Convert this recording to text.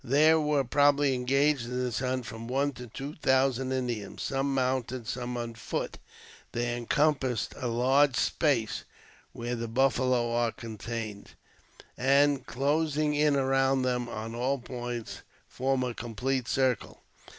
There were probably engaged in this hunt from one to two thousand Indians, some mounted and some on foot. They encompass a large space where the buffaloes are contained, and, closing in around them on all points, form a complete circle.